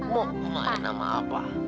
mau main sama apa